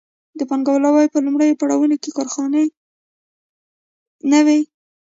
د پانګوالۍ په لومړیو پړاوونو کې کارخانې نه وې.